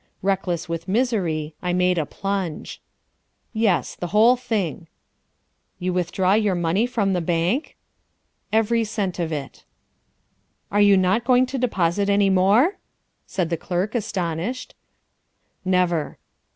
Reckless with misery, I made a plunge. "Yes, the whole thing." "You withdraw your money from the bank?" "Every cent of it." "Are you not going to deposit any more?" said the clerk, astonished. "Never."